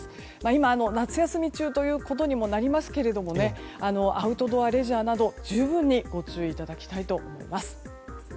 今、夏休み中ということにもなりますけどアウトドアレジャーなど十分にご注意いただきたいと思います。